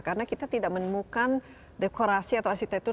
karena kita tidak menemukan dekorasi atau arsitektur